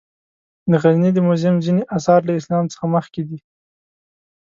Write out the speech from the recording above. د غزني د موزیم ځینې آثار له اسلام څخه مخکې دي.